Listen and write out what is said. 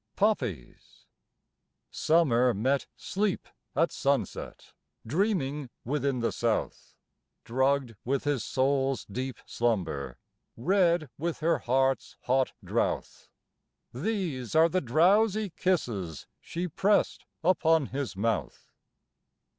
POPPIES. Summer met Sleep at sunset, Dreaming within the south, Drugged with his soul's deep slumber, Red with her heart's hot drouth, These are the drowsy kisses She pressed upon his mouth.